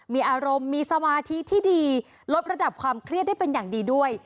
มีอารมณ์มีสมาธิที่ดีลดระดับความเครียดได้เป็นอย่างดีด้วย